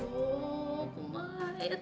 tolong keluarin asma